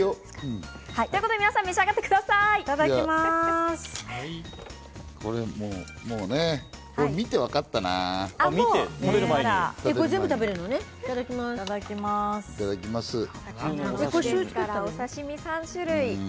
いただきます。